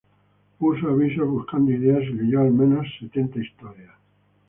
Puso avisos buscando ideas y leyó al menos setenta historias.